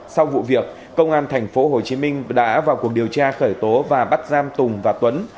sau vụ việc công an tp hcm đã vào cuộc điều tra khởi tố và bắt giam tùng và tuấn